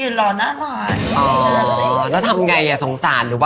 น้างก็จะมาเลย